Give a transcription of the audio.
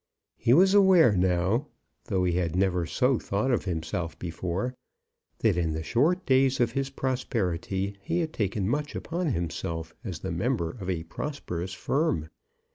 He was aware now, though he had never so thought of himself before, that in the short days of his prosperity he had taken much upon himself, as the member of a prosperous firm.